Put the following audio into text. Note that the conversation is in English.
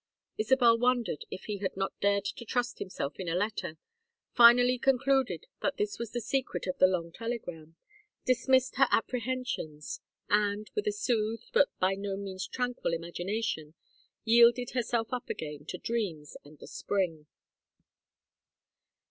Isabel wondered if he had not dared to trust himself in a letter, finally concluded that this was the secret of the long telegram, dismissed her apprehensions, and, with a soothed but by no means tranquil imagination, yielded herself up again to dreams and the spring.